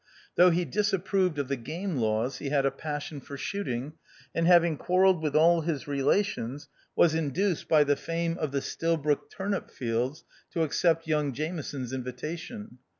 Though he disapproved of the game laws he had a passion for shooting, and having quarrelled with all his relations, was induced by the fame of the Stilbroke turnip fields to accept young Jameson's invitation.